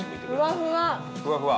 ふわふわ？